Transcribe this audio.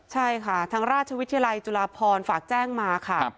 ใช่ค่ะทางราชวิทยาลัยจุฬาพรฝากแจ้งมาค่ะ